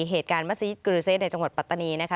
เหตุการณ์มัศยิตกรือเซตในจังหวัดปัตตานีนะคะ